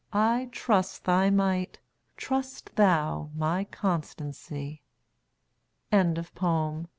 I trust thy might; trust thou my constancy. ENCOURAGEMENT.